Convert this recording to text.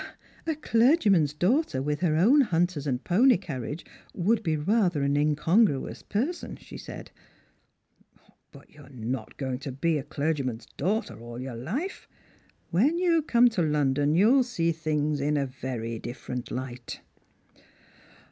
" A clergyman's daughter with her own hunters and pony earriage would be rather an incongnious person," she said. " But you're not going to be a clergyman's daughter all your life. When you come to London you'll see things in a very dif ferent light."